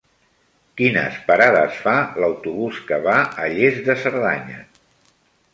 Quines parades fa l'autobús que va a Lles de Cerdanya?